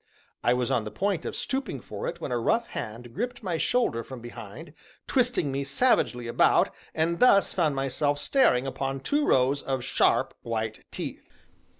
I was on the point of stooping for it, when a rough hand gripped my shoulder from behind, twisting me savagely about, and I thus found myself staring upon two rows of sharp, white teeth.